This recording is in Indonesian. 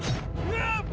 tentang pergerakan mereka